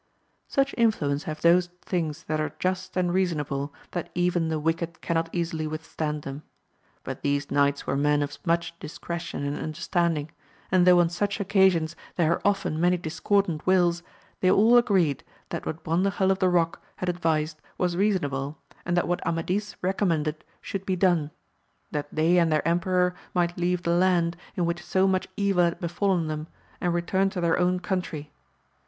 Such influence have those things that are just and reasonable, that even the wicked cannot easily with stand them. But these knights were men of much discretion and understanding, and though on such occasions there are often many discordant wills, they all agreed that what Brondajel of the Kock had ad vised was reasonable, and that what Amadis recom mended should be done ; that they and their emperor might leave the land, in which so much evil had befallen them, and return to their own country.